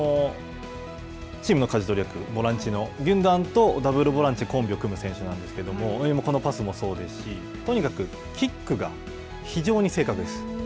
チームのかじ取り役、ボランチの、ギュンドアンとダブルボランチのコンビを組む選手ですが、このパスもそうですし、とにかく、キックが非常に正確です。